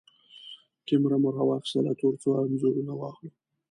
کېمره مو راواخيستله ترڅو انځورونه واخلو.